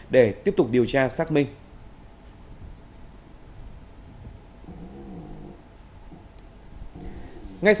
để tiếp tục điều tra xác minh